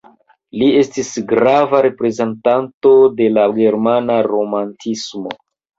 Li estis grava reprezentanto de la germana romantismo.